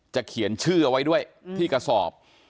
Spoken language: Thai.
เขียนชื่อเอาไว้ด้วยที่กระสอบ